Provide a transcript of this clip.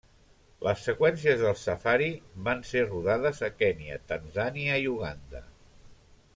Led seqüències del safari van ser rodades a Kenya, Tanzània, i Uganda.